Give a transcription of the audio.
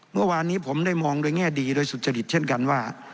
เมื่อวานนี้ผมได้มองโดยแง่ดีโดยสุจริตเช่นกันว่า